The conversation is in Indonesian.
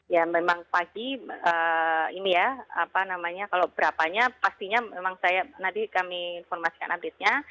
ya memang pagi ini ya apa namanya kalau berapanya pastinya memang saya nanti kami informasikan update nya